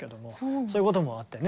そういうこともあってね